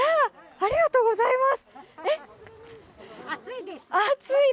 ありがとうございます！